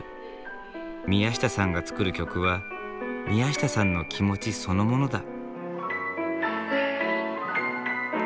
宮下さんが作る曲は宮下さんの気持ちそのものだ。